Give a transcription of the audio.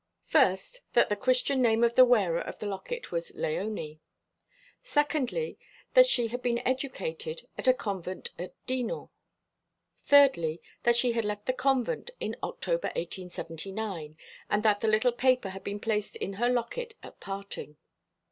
First, that the Christian name of the wearer of the locket was Léonie. Secondly, that she had been educated at a convent at Dinan. Thirdly, that she left the convent in October 1879, and that the little paper had been placed in her locket at parting.